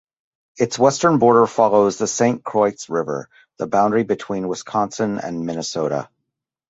Its western border follows the Saint Croix River, the boundary between Wisconsin and Minnesota.